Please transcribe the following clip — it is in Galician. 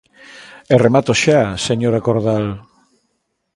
E remato xa, señora Cordal.